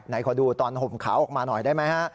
ขอดูตอนห่มขาวออกมาหน่อยได้ไหมฮะ